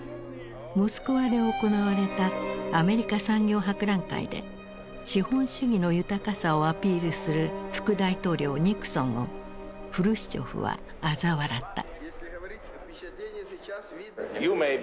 モスクワで行われたアメリカ産業博覧会で資本主義の豊かさをアピールする副大統領ニクソンをフルシチョフはあざ笑った。